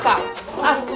あっ！